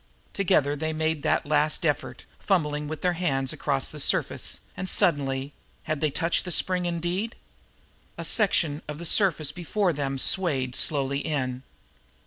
Together they made that last effort, fumbling with their hands across the rough surface, and suddenly had they touched the spring, indeed? a section of the surface before them swayed slowly in.